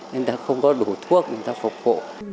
nên ta không có đủ thuốc người ta phục vụ